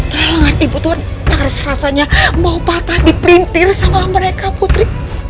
terlengar ibu tuh harus rasanya mau patah di perintir sama mereka putri